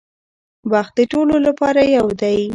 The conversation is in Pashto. وخت د ټولو لپاره یو دی.